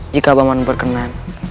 jika paman berkenan